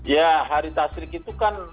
ya hari tasrik itu kan